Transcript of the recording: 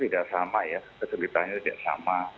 tidak sama ya kesulitannya tidak sama